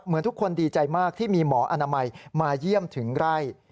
ทุกคนดีใจมากที่มีหมออนามัยมาเยี่ยมถึงไร่